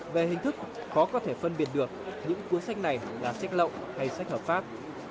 về hình thức khó có thể phân biệt được những cuốn sách này là sách lậu hay sách hợp pháp